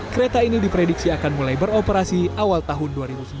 kereta ini diprediksi akan mulai beroperasi awal tahun dua ribu sembilan belas